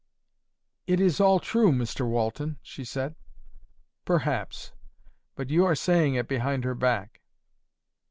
"It is all TRUE, Mr Walton," she said. "Perhaps. But you are saying it behind her back."